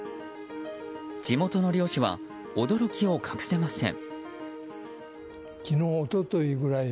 地元の漁師は驚きを隠せません。